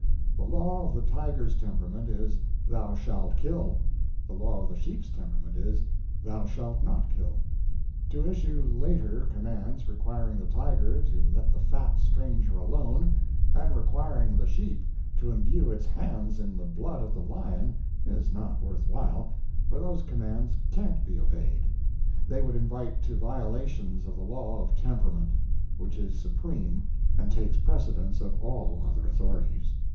The law of the tiger's temperament is, Thou shalt kill; the law of the sheep's temperament is Thou shalt not kill. To issue later commands requiring the tiger to let the fat stranger alone, and requiring the sheep to imbue its hands in the blood of the lion is not worth while, for those commands can'T be obeyed. They would invite to violations of the law of temperament, which is supreme, and takes precedence of all other authorities.